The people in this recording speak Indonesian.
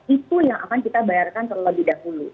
itu yang akan kita bayarkan terlebih dahulu